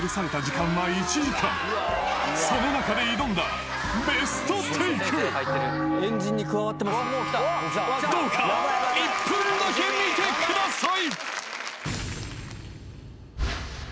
その中で挑んだベストテイクどうか１分だけ見てください